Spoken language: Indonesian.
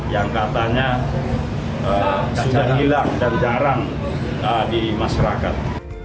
yang katanya sudah hilang dan jarang di masyarakat